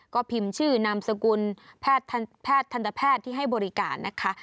ก็พิมพ์ชื่อนามสกุลแพทย์ทันตแพทย์ที่ให้บริการนะคะ